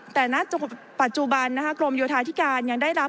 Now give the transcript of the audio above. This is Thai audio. แต่ณปัจจุบันกรมโยธาธิการยังได้รับ